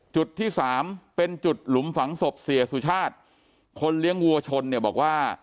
จุดที่สามเป็นจุดหลุมฝังศพเสียสุชาติคนเลี้ยงวัวชนเนี่ยบอกว่า